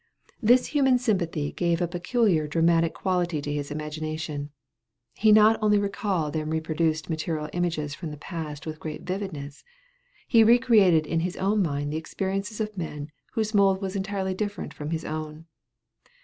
This human sympathy gave a peculiar dramatic quality to his imagination. He not only recalled and reproduced material images from the past with great vividness, he re created in his own mind the experiences of men whose mold was entirely different from his own.